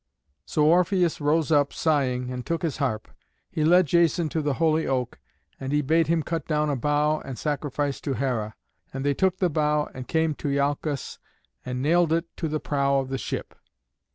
So Orpheus rose up sighing, and took his harp. He led Jason to the holy oak, and he bade him cut down a bough and sacrifice to Hera. And they took the bough and came to Iolcos, and nailed it to the prow of the ship.